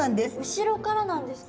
後ろからなんですか？